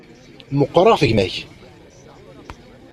Meqqṛeɣ ɣef gma-k.